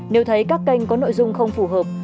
nếu thấy các kênh có nội dung không phù hợp